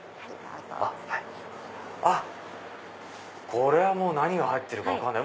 これは何が入ってるか分かんない。